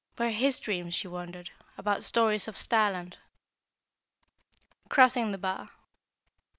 Were his dreams, she wondered, about Stories of Starland? CROSSING THE BAR.